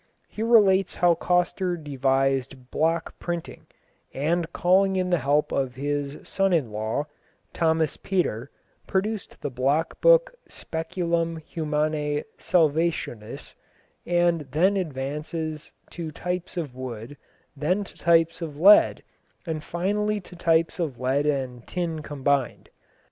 He relates how Coster devised block printing, and calling in the help of his son in law, Thomas Peter, produced the block book Speculum Humanæ Salvationis, and then advanced to types of wood, then to types of lead, and finally to types of lead and tin combined.